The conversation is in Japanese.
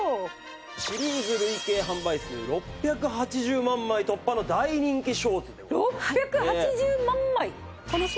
シリーズ累計販売数６８０万枚突破の大人気ショーツでございます。